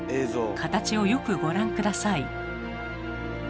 形をよくご覧下さい。